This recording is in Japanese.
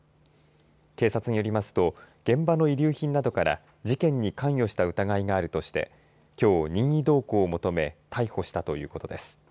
警察によりますと現場の遺留品などから事件に関与した疑いがあるとしてきょう、任意同行を求め逮捕したということです。